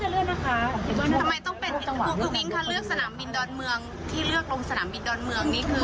คุณพ่อจะมาเครื่องบินส่วนเมือง